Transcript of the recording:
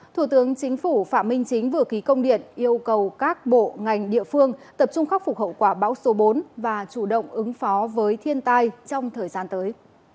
thủ tướng chính phủ phạm minh chính vừa ký công điện yêu cầu các bộ ngành địa phương tập trung khắc phục hậu quả bão số bốn và chủ động ứng phó với thiên tai trong thời gian tới